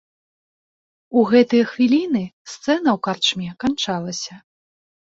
У гэтыя хвіліны сцэна ў карчме канчалася.